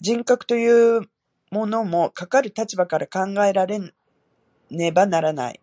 人格というものも、かかる立場から考えられねばならない。